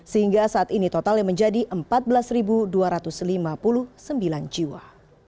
sehingga saat ini totalnya menjadi empat belas dua ratus lima puluh sembilan jiwa